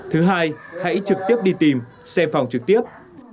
thứ hai hãy trực tiếp đi tìm xem phòng trực tiếp